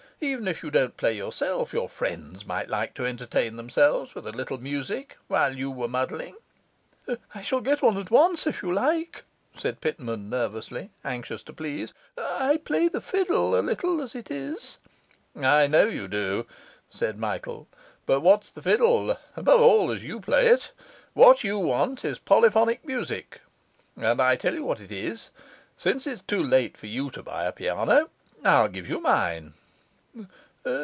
Even if you don't play yourself, your friends might like to entertain themselves with a little music while you were mudding.' 'I shall get one at once if you like,' said Pitman nervously, anxious to please. 'I play the fiddle a little as it is.' 'I know you do,' said Michael; 'but what's the fiddle above all as you play it? What you want is polyphonic music. And I'll tell you what it is since it's too late for you to buy a piano I'll give you mine.